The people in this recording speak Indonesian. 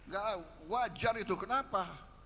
gak wajar itu kenapa